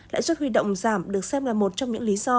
lãi suất huy động giảm được xem là một trong những lý do